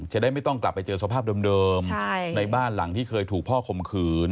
จะได้ไม่ต้องกลับไปเจอสภาพเดิมในบ้านหลังที่เคยถูกพ่อคมขืน